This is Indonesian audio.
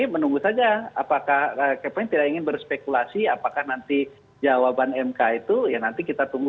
jadi menunggu saja apakah kpn tidak ingin berspekulasi apakah nanti jawaban mk itu ya nanti kita tunggu